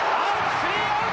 スリーアウト！